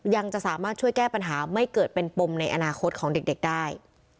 ยังจะสามารถช่วยแก้ปัญหาไม่เกิดเป็นปมในอนาคตของเด็กได้